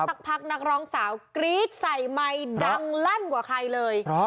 สักพักนักร้องสาวกรี๊ดใส่ไมค์ดังลั่นกว่าใครเลย